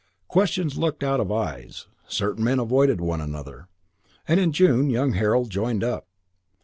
Questions looked out of eyes. Certain men avoided one another. And in June young Harold joined up.